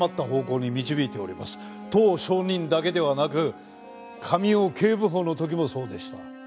当証人だけではなく神尾警部補の時もそうでした。